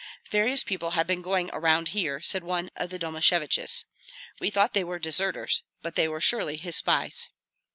"Various people have been going around here," said one of the Domasheviches; "we thought they were deserters, but they were surely his spies."